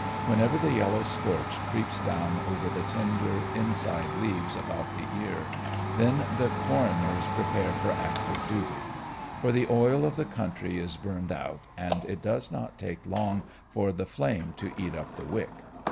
Whenever the yellow scorch creeps down over the tender inside leaves about the ear, then the coroners prepare for active duty; for the oil of the country is burned out and it does not take long for the flame to eat up the wick.